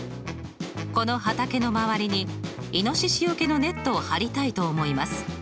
この畑の周りにいのししよけのネットを張りたいと思います。